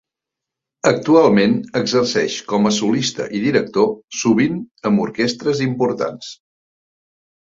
Actualment exerceix com a solista i director, sovint amb orquestres importants.